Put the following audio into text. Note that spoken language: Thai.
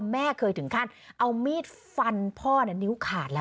แม่เคยถึงขั้นเอามีดฟันพ่อนิ้วขาดแล้ว